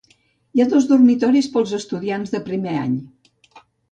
Hi ha dos dormitoris pels estudiants de primer any.